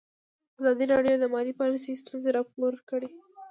ازادي راډیو د مالي پالیسي ستونزې راپور کړي.